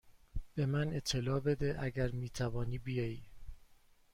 به من اطلاع بده اگر می توانی بیایی.